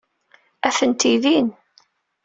Atenti din.